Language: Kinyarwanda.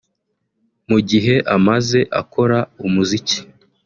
mu gihe amaze akora umuziki